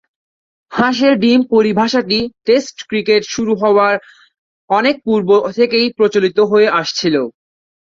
হাঁসের ডিম পরিভাষাটি test cricket শুরু হবার অনেক পূর্ব থেকেই প্রচলিত হয়ে আসছিল।